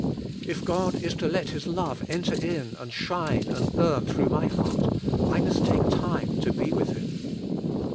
If God is to let his love enter in and shine and burn through my heart, I must take time to be with Him.